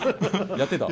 やってた。